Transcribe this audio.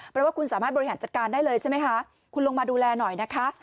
เพราะว่าคุณสามารถบริหารจัดการได้เลยใช่ไหมคะคุณลงมาดูแลหน่อยนะคะ